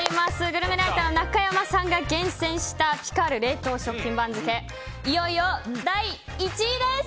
グルメライターの中山さんが厳選したピカール冷凍食品番付いよいよ第１位です。